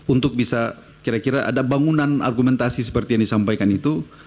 untuk bisa kira kira ada bangunan argumentasi seperti yang disampaikan itu